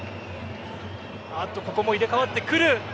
ここも入れ替わってくる。